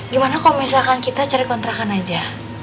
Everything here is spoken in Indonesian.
gimana kalau misalkan kita cari kontrakan aja